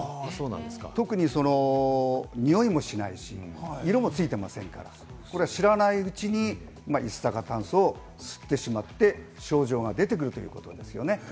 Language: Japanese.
特ににおいもしないし、色もついていませんから知らないうちに一酸化炭素を吸ってしまって、症状が出てくるということですね。